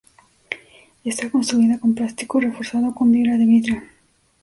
Está construida con plástico reforzado con fibra de vidrio.